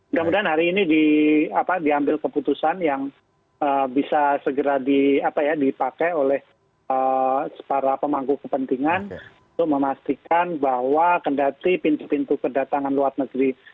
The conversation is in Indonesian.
mudah mudahan hari ini diambil keputusan yang bisa segera dipakai oleh para pemangku kepentingan untuk memastikan bahwa kendati pintu pintu kedatangan luar negeri